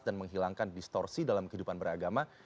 dan menghilangkan distorsi dalam kehidupan beragama